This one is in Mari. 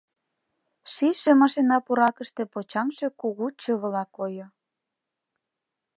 Шийше машина пуракыште почаҥше кугу чывыла койо.